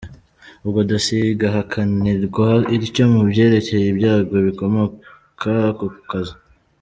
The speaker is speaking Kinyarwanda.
Ubwo dosiye igahakanirwa ityo mu byerekeye ibyago bikomoka ku kazi.